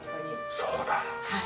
そうだ。